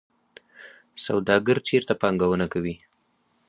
سوداګر چیرته پانګونه کوي؟